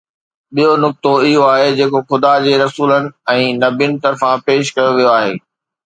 ٻيو نقطو اهو آهي جيڪو خدا جي رسولن ۽ نبين طرفان پيش ڪيو ويو آهي.